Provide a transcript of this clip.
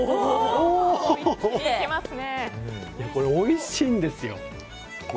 これおいしいんですよ。